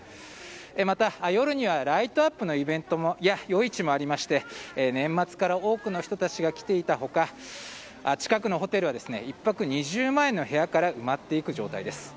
また、夜にはライトアップのイベントや夜市もありまして年末から多くの人たちが来ていた他近くのホテルでは１泊２０万円の部屋から埋まっていく状態です。